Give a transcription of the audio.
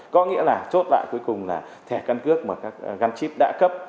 có nghĩa là chốt lại cuối cùng là thẻ căn cước mà các gắn chip đã cấp